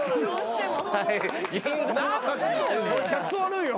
客層悪いよ。